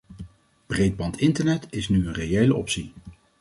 Breedbandinternet is nu een reële optie.